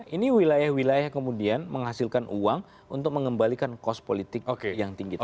ini wilayah wilayah kemudian menghasilkan uang untuk mengembalikan kos politik yang tinggi tadi